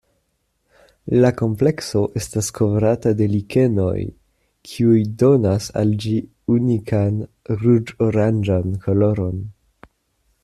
La komplekso estas kovrata de likenoj kiuj donas al ĝi unikan ruĝ-oranĝan koloron.